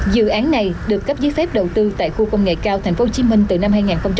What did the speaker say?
dự án này được cấp giấy phép đầu tư tại khu công nghệ cao tp hcm từ năm hai nghìn một mươi